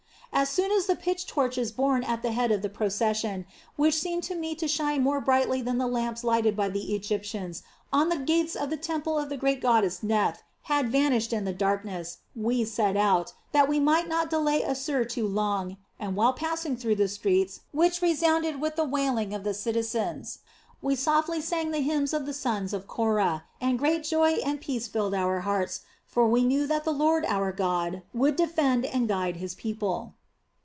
"As soon as the pitch torches borne at the head of the procession, which seemed to me to shine more brightly than the lamps lighted by the Egyptians on the gates of the temple of the great goddess Neith, had vanished in the darkness, we set out, that we might not delay Assir too long, and while passing through the streets, which resounded with the wailing of the citizens, we softly sang the hymn of the sons of Korah, and great joy and peace filled our hearts, for we knew that the Lord our God would defend and guide His people."